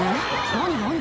何何？